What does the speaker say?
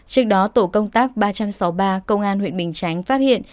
trước đó tổ công tác ba trăm sáu mươi ba công an huyện bình chánh phát hiện